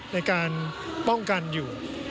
ในการป้องกันอยู่